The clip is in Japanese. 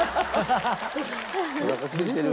おなかすいてる。